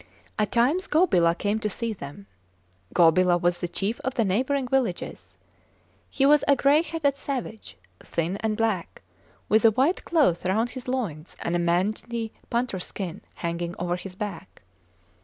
At times Gobila came to see them. Gobila was the chief of the neighbouring villages. He was a gray headed savage, thin and black, with a white cloth round his loins and a mangy panther skin hanging over his back.